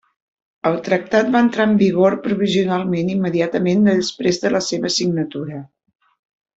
El tractat va entrar en vigor provisionalment immediatament després de la seva signatura.